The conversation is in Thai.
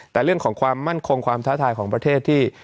แต่เรื่องของความมั่นคงความท้าทายของประเทศที่